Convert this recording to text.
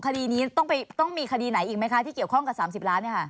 ก็มีวันที่๑๑นะครับ